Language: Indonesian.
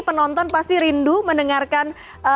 penonton pasti rindu mendengarkan